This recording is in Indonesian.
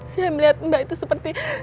saya melihat mbak itu seperti